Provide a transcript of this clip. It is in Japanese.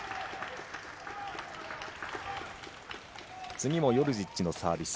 次もヨルジッチのサービス。